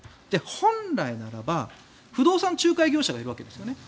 本来ならば不動産仲介業者がいるわけですよね。